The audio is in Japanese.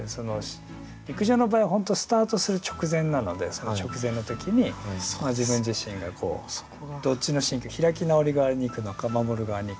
陸上の場合は本当スタートする直前なのでその直前の時に自分自身がどっちの心境開き直り側にいくのか守る側にいくのか。